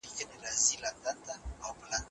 د زړه بدې غوښتني نه منل کېږي.